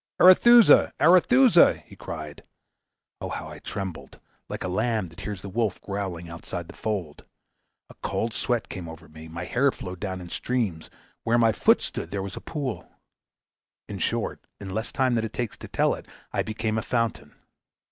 'Arethusa! Arethusa!' he cried. Oh, how I trembled, like a lamb that hears the wolf growling outside the fold. A cold sweat came over me, my hair flowed down in streams; where my foot stood there was a pool. In short, in less time than it takes to tell it I became a fountain.